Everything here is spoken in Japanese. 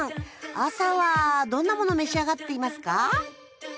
朝はどんなものを召し上がっていますか？